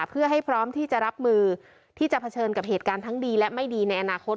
เพื่อให้พร้อมที่จะรับมือที่จะเผชิญกับเหตุการณ์ทั้งดีและไม่ดีในอนาคต